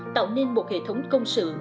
tạo nên một hệ thống công sự